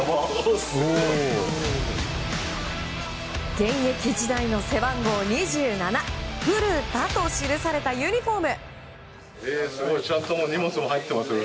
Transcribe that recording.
現役時代の背番号２７ＦＵＲＵＴＡと記されたユニホーム。